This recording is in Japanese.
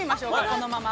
このまま。